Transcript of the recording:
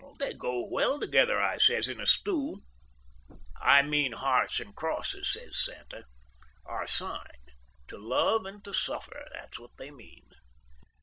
'They go well together,' I says, 'in a stew.' 'I mean hearts and crosses,' says Santa. 'Our sign—to love and to suffer—that's what they mean.